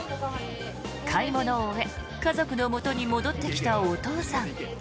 買い物を終え家族のもとに戻ってきたお父さん。